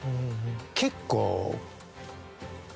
結構。